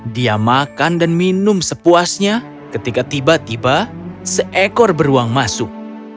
dia makan dan minum sepuasnya ketika tiba tiba seekor beruang masuk